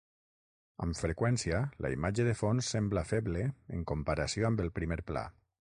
Amb freqüència, la imatge de fons sembla feble en comparació amb el primer pla.